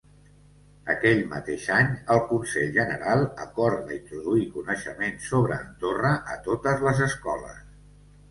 Aquell mateix any, el Consell General acorda introduir coneixements sobre Andorra a totes les escoles.